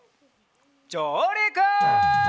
じょうりく！